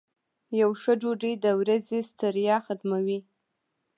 یو ښه ډوډۍ د ورځې ستړیا ختموي.